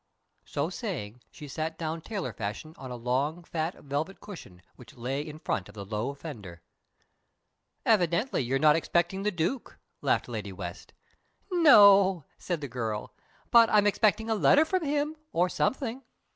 So saying, she sat down tailor fashion on a long, fat velvet cushion which lay in front of the low fender. "Evidently you're not expecting the Duke," laughed Lady West. "No o," said the girl. "But I'm expecting a letter from him or something."